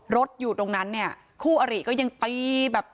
อยู่ตรงนั้นเนี่ยคู่อริก็ยังตีแบบ